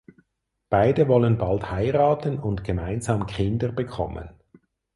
Beide wollen bald heiraten und gemeinsam Kinder bekommen.